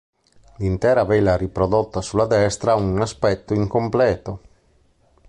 L'intera vela riprodotta sulla destra ha un aspetto incompleto.